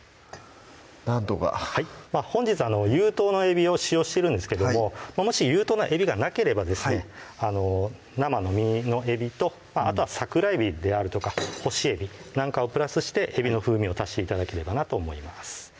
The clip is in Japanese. なんとかはい本日有頭のえびを使用してるんですけどももし有頭のえびがなければですね生の身のえびとあとは桜えびであるとか干しえびなんかをプラスしてえびの風味を足して頂ければなと思います